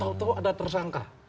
tahu tahu ada tersangka